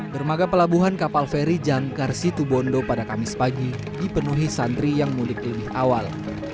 bermagapelabuhan kapal feri jangkarsitu bondo pada kamis pagi dipenuhi santri yang mulik lebih awal